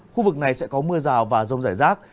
khu vực này sẽ có mưa rào và rông rải rác